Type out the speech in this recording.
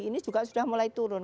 ini juga sudah mulai turun